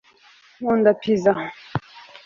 nkunda pizza